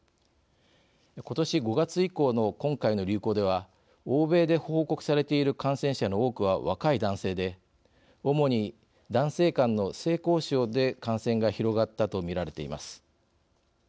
ことし５月以降の今回の流行では欧米で報告されている感染者の多くは若い男性で主に、男性間の性交渉で感染が広がったと見られています。